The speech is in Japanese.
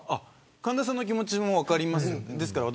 神田さんの気持ちも分かります。